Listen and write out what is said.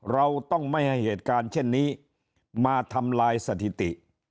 เราต้องไม่ให้เหตุการณ์เช่นนี้มาทำลายสถิติ